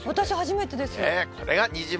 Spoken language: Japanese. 私初めてです。